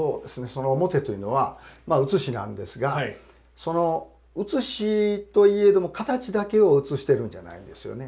その面というのは写しなんですがその写しといえども形だけを写してるんじゃないんですよね。